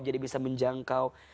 jadi bisa menjangkau